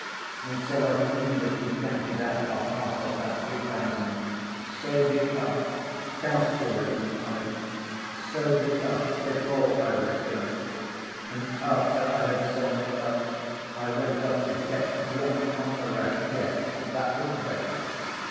And so I fiendishly counted out the half of that three thousand, sewed it up, calculating on it, sewed it up before I was drunk, and after I had sewn it up, I went off to get drunk on the rest. Yes, that was base.